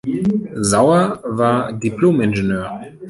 Saur war Diplom-Ingenieur.